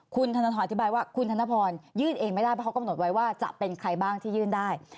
คุณธนทรอธิบายว่าคุณธนพรยื่นเองไม่ได้เพราะเขากำหนดไว้ว่าจะเป็นใครบ้างที่ยื่นได้